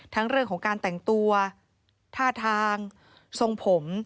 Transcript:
เรื่องของการแต่งตัวท่าทางทรงผม